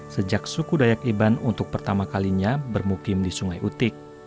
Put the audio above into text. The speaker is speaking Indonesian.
sejak suku dayak iban untuk pertama kalinya bermukim di sungai utik